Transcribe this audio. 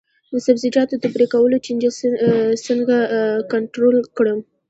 د سبزیجاتو د پرې کولو چینجي څنګه کنټرول کړم؟